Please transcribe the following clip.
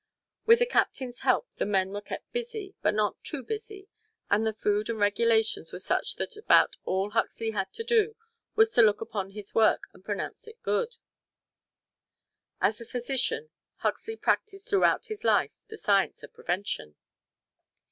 With the captain's help the men were kept busy, but not too busy, and the food and regulations were such that about all Huxley had to do was to look upon his work and pronounce it good. As a physician, Huxley practised throughout his life the science of prevention.